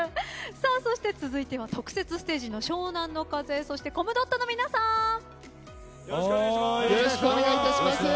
そして続いては特設ステージの湘南乃風よろしくお願いします。